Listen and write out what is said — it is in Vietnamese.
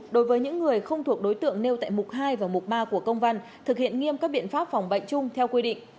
đối với những người không thuộc đối tượng nêu tại mục hai và mục ba của công văn thực hiện nghiêm các biện pháp phòng bệnh chung theo quy định